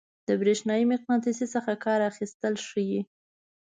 د برېښنايي مقناطیس څخه کار اخیستل ښيي.